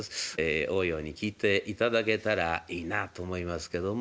おうように聴いていただけたらいいなあと思いますけども。